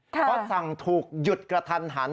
เพราะสั่งถูกหยุดกระทันหัน